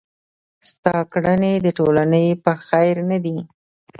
ستا کړني د ټولني په خير نه دي.